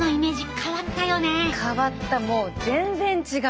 変わったもう全然違う。